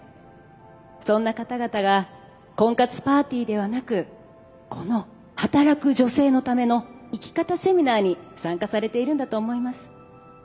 そんな方々が婚活パーティーではなくこの働く女性のための生き方セミナーに参加されているんだと思います。